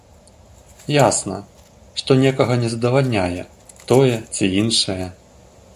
Ясна, што некага не задавальняе тое ці іншае.